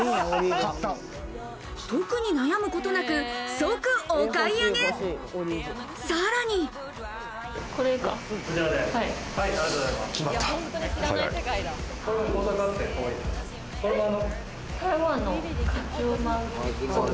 特に悩むことなく即お買い上これ買う。